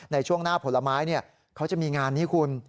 ในช่วงหน้าผลไม้เขาจะมีงานนี้คุณ